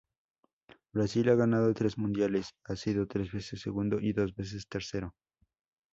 Brasil ha ganado tres mundiales, ha sido tres veces segundo y dos veces tercero.